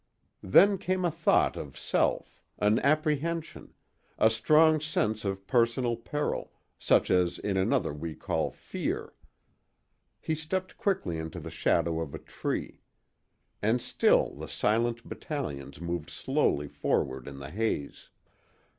Then came a thought of self—an apprehension—a strong sense of personal peril, such as in another we call fear. He stepped quickly into the shadow of a tree. And still the silent battalions moved slowly forward in the haze.